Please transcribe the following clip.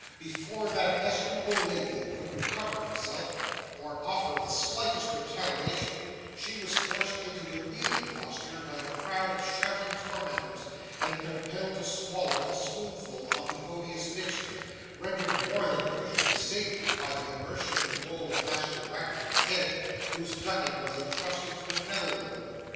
Before that estimable lady could recover herself, or offer the slightest retaliation, she was forced into a kneeling posture by a crowd of shouting tormentors, and compelled to swallow a spoonful of the odious mixture, rendered more than usually savoury by the immersion in the bowl of Master Wackford's head, whose ducking was intrusted to another rebel.